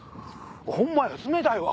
ホンマや冷たいわ。